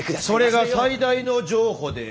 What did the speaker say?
それが最大の譲歩である。